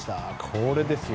これですよ。